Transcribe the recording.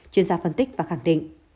chuyên gia phân tích và khẳng định